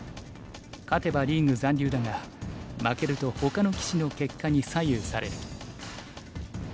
勝てばリーグ残留だが負けるとほかの棋士の結果に左右される。